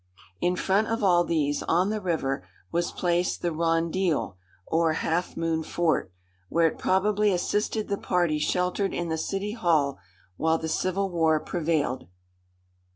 "In front of all these, on the river, was placed the Rondeal, or Half Moon Fort, where it probably assisted the party sheltered in the City Hall, while the civil war prevailed."